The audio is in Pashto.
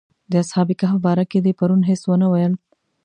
د اصحاب کهف باره کې دې پرون هېڅ ونه ویل.